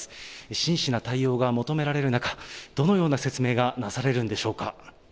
真摯な対応が求められる中、どのような説明がなされるんでしょうか。